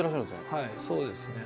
はいそうですね。